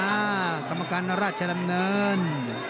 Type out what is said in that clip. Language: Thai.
กรรมการราชดำเนิน